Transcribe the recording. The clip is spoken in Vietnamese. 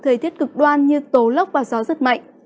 thời tiết cực đoan như tố lốc và gió rất mạnh